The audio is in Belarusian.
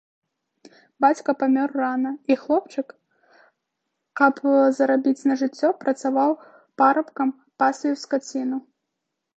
Бацька памёр рана, і хлопчык, как зарабіць на жыццё, працаваў парабкам, пасвіў скаціну.